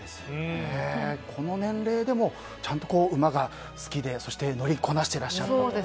この年齢でもちゃんと馬が好きで、そして乗りこなしていらっしゃると。